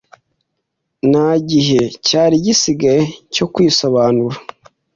Nta gihe cyari gisigaye cyo kwisobanura.